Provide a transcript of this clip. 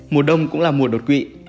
mùa đông cũng là mùa đột quỵ